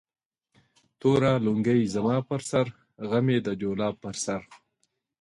توره لنگۍ زما پر سر ، غم يې د جولا پر سر